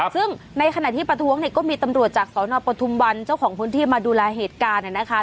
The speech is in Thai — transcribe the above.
ซึ่งในขณะที่ประท้วงเนี่ยก็มีตำรวจจากสนปทุมวันเจ้าของพื้นที่มาดูแลเหตุการณ์นะคะ